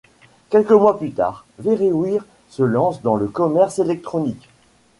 Quelques mois plus tard, Verywear se lance dans le commerce électronique.